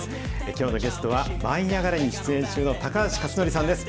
きょうのゲストは、舞いあがれ！に出演中の高橋克典さんです。